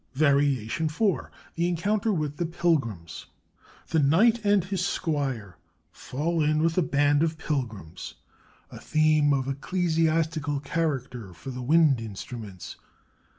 VARIATION IV THE ENCOUNTER WITH THE PILGRIMS The knight and his squire fall in with a band of pilgrims (a theme of ecclesiastical character for the wind instruments).